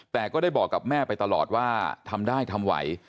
แต่ก็ได้บอกกับแม่ไปตลอดว่าทำได้ทำไหว